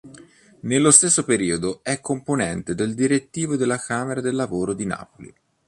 Nello stesso periodo, è componente del Direttivo della Camera del Lavoro di Napoli.